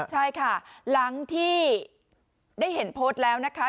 ใช่ค่ะหลังที่ได้เห็นโพสต์แล้วนะคะ